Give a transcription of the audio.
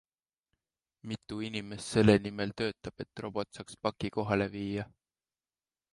Mitu inimest selle nimel töötab, et robot saaks paki kohale viia?